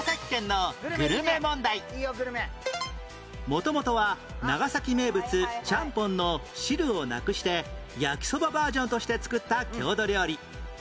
元々は長崎名物ちゃんぽんの汁をなくして焼きそばバージョンとして作った郷土料理